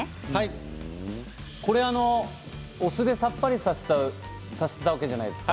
お酢で、さっぱりさせたわけじゃないですか。